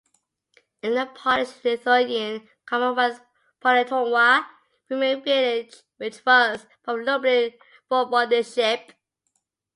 In the Polish-Lithuanian Commonwealth Poniatowa remained a village, which was part of Lublin Voivodeship.